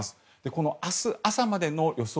この明日朝までの予想